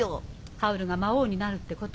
ハウルが魔王になるってこと？